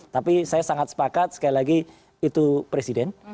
tapi saya sangat sepakat sekali lagi itu presiden